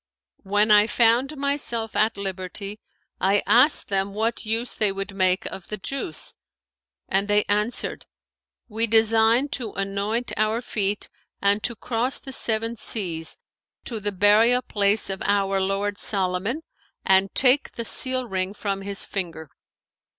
When I found myself at liberty, I asked them what use they would make of the juice; and they answered, 'We design to anoint our feet and to cross the Seven Seas to the burial place of our lord Solomon[FN#519] and take the seal ring from his finger.'